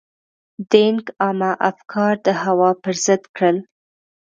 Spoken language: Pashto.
دینګ عامه افکار د هوا پر ضد کړل.